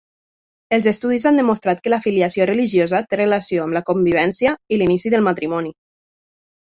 Els estudis han demostrat que l'afiliació religiosa té relació amb la convivència i l'inici del matrimoni.